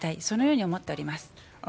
そのように思っております。